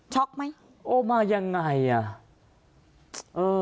ช็อคไหมโอ้มายังไงอ่ะ